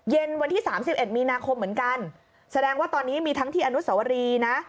วันที่๓๑มีนาคมเหมือนกันแสดงว่าตอนนี้มีทั้งที่อนุสวรีนะ